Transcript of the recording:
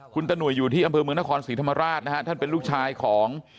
คุณตะหนุ่ยอยู่ที่อำเภอเมืองนครศรีธรรมราชนะฮะท่านเป็นลูกชายของ